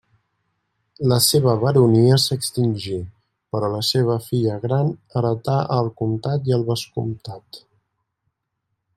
La seva baronia s'extingí, però la seva filla gran heretà el comtat i el vescomtat.